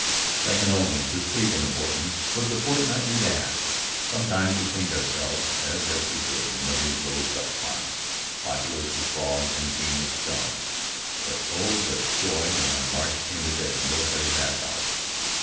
Second only to sleep in importance was the fortnightly bath. Sometimes we cleansed ourselves, as best we could, in muddy little duck ponds, populous with frogs and green with scum; but oh, the joy when our march ended at a military bathhouse!